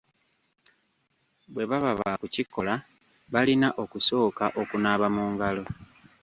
Bwe baba baakukikola, balina okusooka okunaaba mu ngalo.